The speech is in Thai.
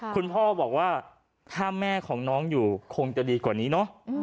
คุณพ่อบอกว่าถ้าแม่ของน้องอยู่คงจะดีกว่านี้เนอะ